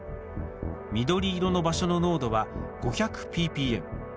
緑色の場所の濃度は５００ＰＰＭ。